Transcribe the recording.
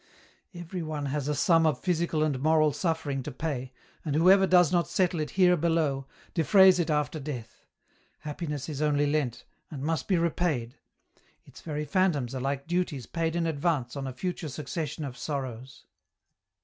" Every one has a sum of physical and moral suffering to pay, and whoever does not settle it here below, defrays it after death ; happiness is only lent, and must be repaid ; its very phantoms are like duties paid in advance on a future succession of sorrows.